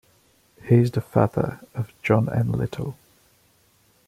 He is the father of John N. Little.